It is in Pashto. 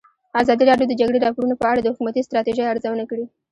ازادي راډیو د د جګړې راپورونه په اړه د حکومتي ستراتیژۍ ارزونه کړې.